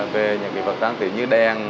về những vật trang trí như đen